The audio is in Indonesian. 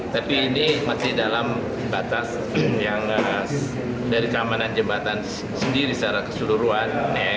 tapi ini masih dalam batas yang dari keamanan jembatan sendiri secara keseluruhan